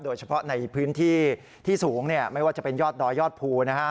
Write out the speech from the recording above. โดยเฉพาะในพื้นที่ที่สูงไม่ว่าจะเป็นยอดดอยยอดภูนะฮะ